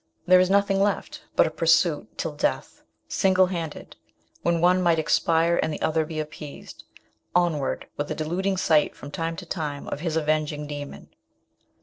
There is nothing left but a pursuit till death, single handed, when one might expire and the other be appeased onward, with a deluding sight from time to time of his avenging demon.